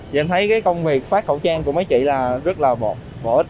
vậy em thấy cái công việc phát khẩu trang của mấy chị là rất là một hữu ích